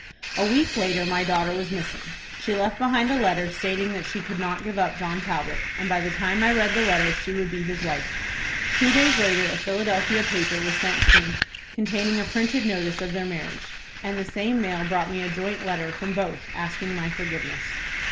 "A week later my daughter was missing. She left behind a letter stating that she could not give up John Talbot, and by the time I read the letter she would be his wife. Two days later a Philadelphia paper was sent me containing a printed notice of their marriage, and the same mail brought me a joint letter from both, asking my forgiveness.